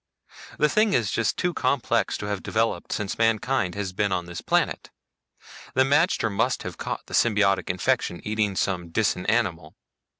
The thing is just too complex to have developed since mankind has been on this planet. The magter must have caught the symbiotic infection eating some Disan animal.